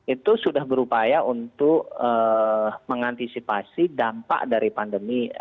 itu sudah berupaya untuk mengantisipasi dampak dari pandemi